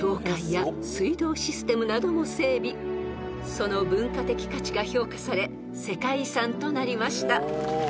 ［その文化的価値が評価され世界遺産となりました］